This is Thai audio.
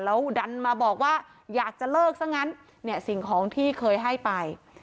แล้วดันมาบอกว่าอยากจะเลิกซะงั้นเนี่ยสิ่งของที่เคยให้ไป